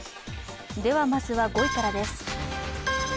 ではまずは５位からです。